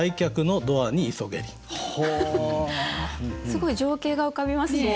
すごい情景が浮かびますね。